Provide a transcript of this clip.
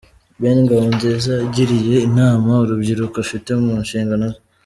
Ben Ngabonziza yagiriye inama urubyiruko afite mu nshingano ze.